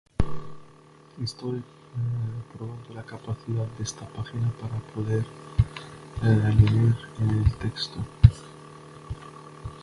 Según la policía local la muerte habría sido accidental, descartando un homicidio o asesinato.